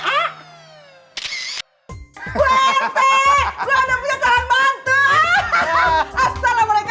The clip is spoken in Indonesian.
wah rt lo ada punya salam bantu